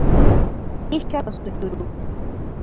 Kisha twasujudu